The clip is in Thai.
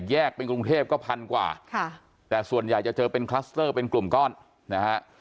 เป็นกรุงเทพก็พันกว่าค่ะแต่ส่วนใหญ่จะเจอเป็นคลัสเตอร์เป็นกลุ่มก้อนนะฮะ